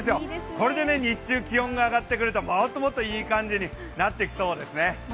これで日中、気温が上がってくるともっともっといい感じになってきそうですね。